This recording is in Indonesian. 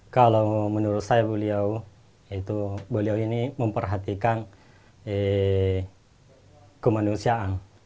kalau menurut saya beliau ini memperhatikan kemanusiaan